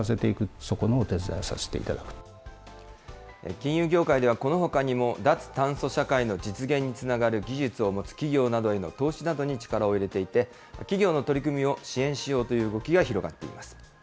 金融業界ではこのほかにも脱炭素社会の実現につながる技術を持つ企業などへの投資などに力を入れていて、企業の取り組みを支援しようという動きが広がっています。